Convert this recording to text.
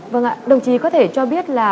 vâng ạ đồng chí có thể cho biết là